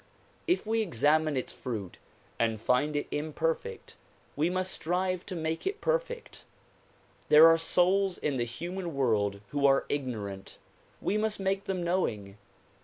If we examine its fruit and find it imperfect we must strive to make it perfect. There are souls in the human world who are ignorant; we must make them knowing.